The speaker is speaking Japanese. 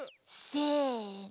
せの。